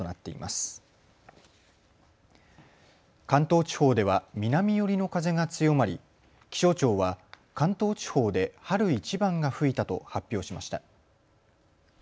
関東地方では南寄りの風が強まり気象庁は関東地方で春一番が吹いたと発表しました。